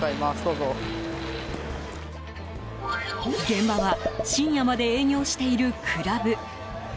現場は深夜まで営業しているクラブ。